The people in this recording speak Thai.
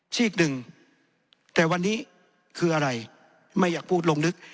กหนึ่งแต่วันนี้คืออะไรไม่อยากพูดลงลึก